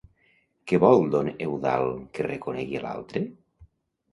Què vol don Eudald que reconegui l'altre?